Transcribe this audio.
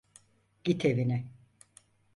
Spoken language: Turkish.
Git evine.